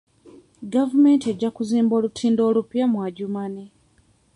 Gavumenti ejja kuzimba olutindo olupya mu Adjumani.